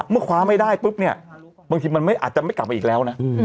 เมื่อคว้าไม่ได้ปุ๊บเนี่ยบางทีมันอาจจะไม่กลับมาอีกแล้วนะ